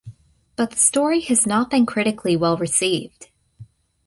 But the story has not been critically well received.